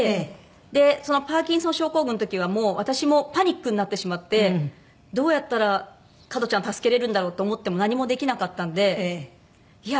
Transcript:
でそのパーキンソン症候群の時はもう私もパニックになってしまってどうやったら加トちゃんを助けられるんだろうと思っても何もできなかったんでいや